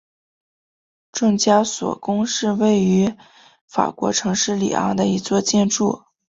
证交所宫是位于法国城市里昂的一座建筑。